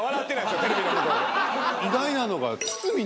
意外なのが。